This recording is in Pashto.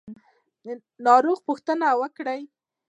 ناروغه پوښتنه وکړئ